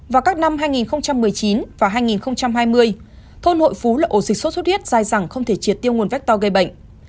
vào các năm hai nghìn một mươi chín và hai nghìn hai mươi thôn hội phú lộ dịch sốt xuất huyết dài rằng không thể triệt tiêu nguồn vector gây bệnh